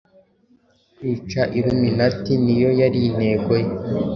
Kwica Illuminati niyo yari intego ye